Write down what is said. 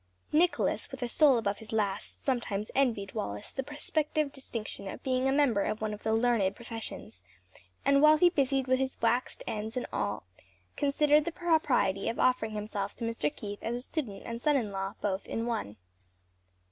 Nicholas with a soul above his last, sometimes envied Wallace the prospective distinction of being a member of one of the learned professions, and while busied with his waxed ends and awl, considered the propriety of offering himself to Mr. Keith as a student and son in law both in one.